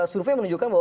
survei menunjukkan bahwa